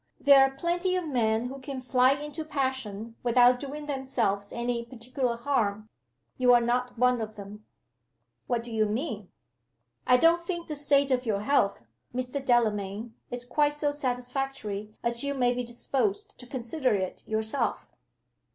There are plenty of men who can fly into a passion without doing themselves any particular harm. You are not one of them." "What do you mean?" "I don't think the state of your health, Mr. Delamayn, is quite so satisfactory as you may be disposed to consider it yourself."